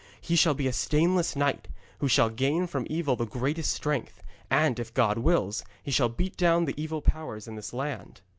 'He shall be a stainless knight, who shall gain from evil the greatest strength, and, if God wills, he shall beat down the evil powers in this land.'